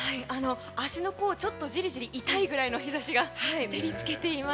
足の甲じりじり痛いくらいの日差しが照り付けています。